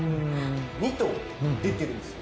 ２頭出てるんすよ。